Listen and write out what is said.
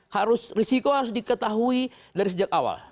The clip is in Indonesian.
harus risiko harus diketahui dari sejak awal